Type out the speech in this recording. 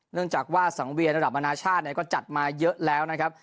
เนื่องจากว่าสังเวียนระดับนานาชาติก็จัดมาเยอะแล้วนะครับ